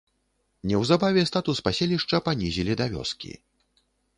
Неўзабаве статус паселішча панізілі да вёскі.